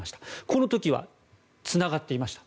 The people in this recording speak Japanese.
この時はつながっていました。